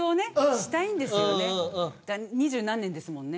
２０何年ですもんね。